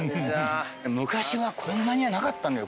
昔はこんなにはなかったのよ。